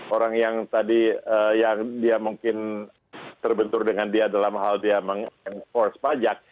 orang yang tadi yang dia mungkin terbentur dengan dia dalam hal dia mengeksporse pajak